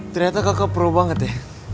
ternyata kakak pro banget ya